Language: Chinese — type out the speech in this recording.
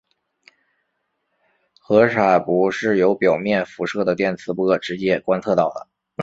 氦闪不是由表面辐射的电磁波直接观测到的。